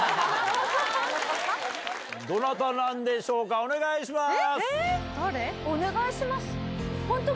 どなたなんでしょうか、お願いします。